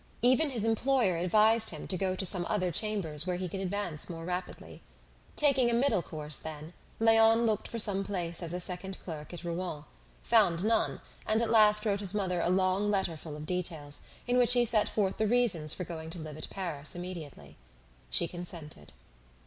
Even his employer advised him to go to some other chambers where he could advance more rapidly. Taking a middle course, then, Léon looked for some place as second clerk at Rouen; found none, and at last wrote his mother a long letter full of details, in which he set forth the reasons for going to live at Paris immediately. She consented.